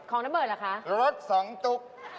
ของน้ำเบิดเหรอคะรถสองตุ๊ก